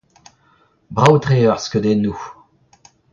Brav-tre eo ar skeudennoù.